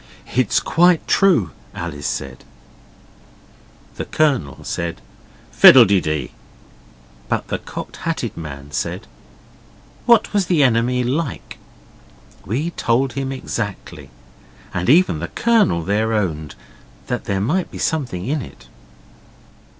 'It's quite true,' Alice said. The Colonel said, 'Fiddle de dee.' But the Cocked Hatted Man said, 'What was the enemy like?' We told him exactly. And even the Colonel then owned there might be something in it.